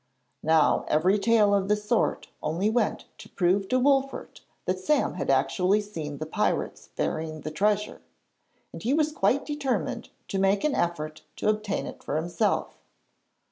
Now every tale of the sort only went to prove to Wolfert that Sam had actually seen the pirates burying the treasure, and he was quite determined to make an effort to obtain it for himself.